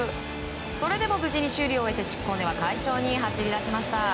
それでも無事に修理を終えてチッコーネは快調に走り出しました。